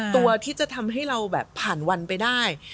ตัวที่จะทำให้เราแบบผ่านวันไปได้